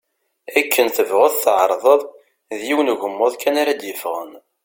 Akken tebɣuḍ tεerḍeḍ, d yiwen ugmuḍ kan ara d-yeffɣen.